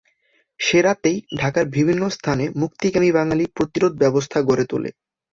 সে রাতেই ঢাকার বিভিন্ন স্থানে মুক্তিকামী বাঙালি প্রতিরোধ ব্যবস্থা গড়ে তোলে।